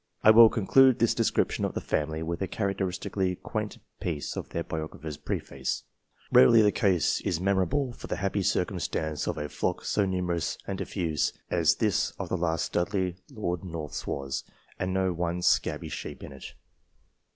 I will conclude this description of the family with a characteristically quaint piece of their biographer's preface :" Really, the case is memorable for the happy circumstance of a flock so numerous and diffused as this of the last Dudley Lord North's was, and no one scabby sheep in it."